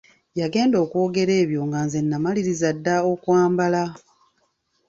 Yagenda okwogera ebyo nga nze namaliriza dda okwambala.